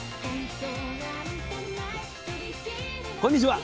こんにちは。